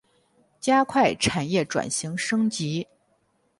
加快产业转型升级